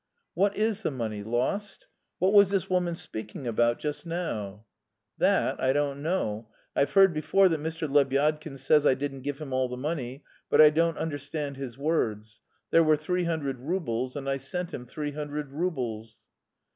"What is the money... lost? What was this woman speaking about just now?" "That I don't know. I've heard before that Mr. Lebyadkin says I didn't give him all the money, but I don't understand his words. There were three hundred roubles and I sent him three hundred roubles."